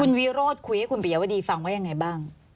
คุณวิโรธคุยให้คุณปิยาวดีฟังว่ายังไงบ้าง